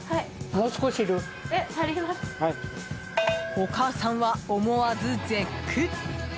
お母さんは思わず絶句。